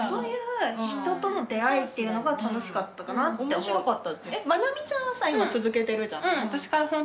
面白かった。